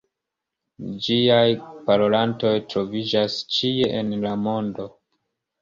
Ĝiaj parolantoj troviĝas ĉie en la mondo.